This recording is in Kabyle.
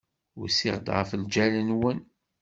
Usiɣ-d ɣef ljal-nwen.